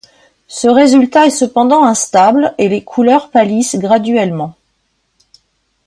Ce résultat est cependant instable et les couleurs pâlissent graduellement.